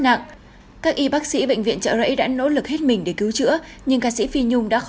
nặng các y bác sĩ bệnh viện trợ rẫy đã nỗ lực hết mình để cứu chữa nhưng ca sĩ phi nhung đã khó